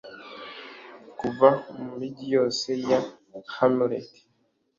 kuva mu mijyi yose ya hamlet